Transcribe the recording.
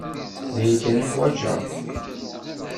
D aya kan i ḥwajeɣ.